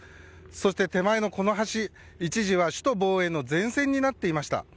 そして手前の橋一時は首都防衛の前線になっていました。